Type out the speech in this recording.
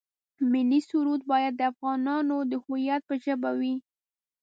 ملي سرود باید د افغانانو د هویت په ژبه وي.